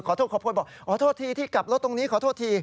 ขอโทษทีที่กลับรถตรงนี้ขอโทษที